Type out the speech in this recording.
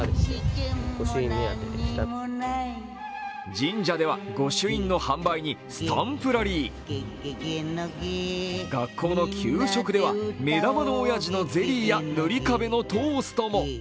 神社では御朱印の販売にスタンプラリー、学校の給食では目玉のおやじのゼリーやぬりかべのトーストも。